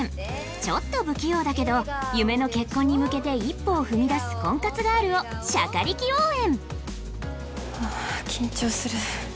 ちょっと不器用だけど夢の結婚に向けて一歩を踏み出す婚活ガールをしゃかりき応援！